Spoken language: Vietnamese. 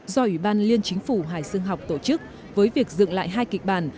do ủy ban liên chính phủ hải dương học tổ chức với việc dựng lại hai kịch bản